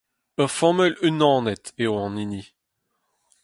Ur familh unanet eo hon hini.